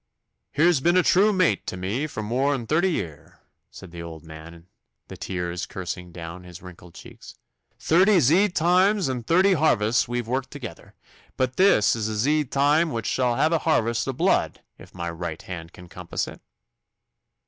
'Her's been a true mate to me for more'n thirty year,' said the old man, the tears coursing down his wrinkled cheeks. 'Thirty zeed toimes and thirty harvests we've worked together. But this is a zeed toime which shall have a harvest o' blood if my right hand can compass it.